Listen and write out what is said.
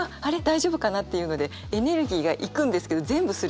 大丈夫かなっていうのでエネルギーがいくんですけど全部すれ違って。